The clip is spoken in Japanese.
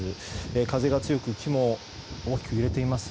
風が強く木も大きく揺れています